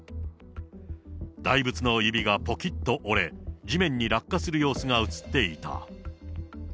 大仏の指がぽきっと折れ、地面に落下する様子が写っていた。